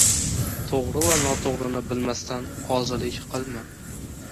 • To‘g‘ri va noto‘g‘rini bilmasdan qozilik qilma.